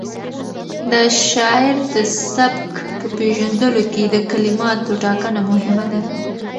د شاعر د سبک په پېژندلو کې د کلماتو ټاکنه مهمه ده.